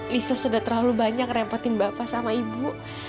lisa sudah terlalu banyak repotin bapak sama ibu